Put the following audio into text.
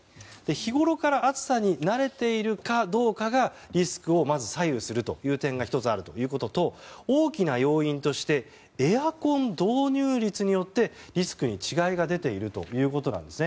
日ごろから暑さに慣れているかどうかがリスクを左右するという点が１つあるということと大きな要因としてエアコン導入率によってリスクに違いが出ているということなんです。